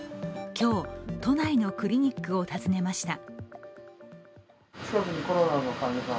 今日、都内のクリニックを訪ねました。